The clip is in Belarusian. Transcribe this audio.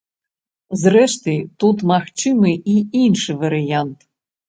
Зрэшты, тут магчымы і іншы варыянт.